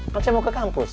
kan saya mau ke kampus